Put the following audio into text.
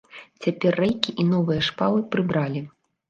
Цяпер рэйкі і новыя шпалы прыбралі.